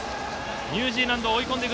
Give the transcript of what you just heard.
ニュージーランドを追い込んでく